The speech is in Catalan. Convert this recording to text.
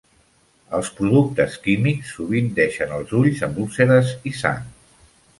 Els productes químics sovint deixen els ulls amb úlceres i sang.